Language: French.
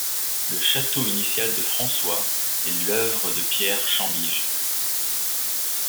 Le château initial de François est l’œuvre de Pierre Chambiges.